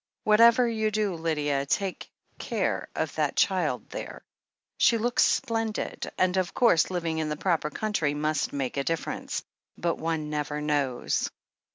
Whatever you do, Lydia, take care of that child there. She looks splendid, and of course living in the proper country must make a difference — ^but one never knows.